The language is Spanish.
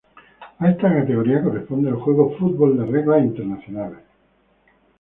A esta categoría corresponde el juego "Fútbol de reglas internacionales".